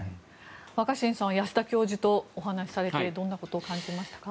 若新さんは安田教授とお話しされてどんなことを感じましたか？